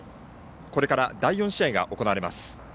これから第４試合が行われます。